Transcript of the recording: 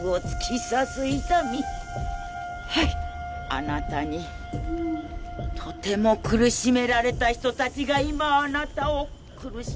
あなたにとても苦しめられた人たちが今あなたを苦しめて。